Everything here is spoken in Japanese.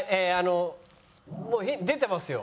もう出てますよ。